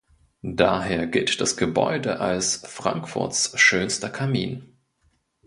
Daher gilt das Gebäude auch als „Frankfurts schönster Kamin“.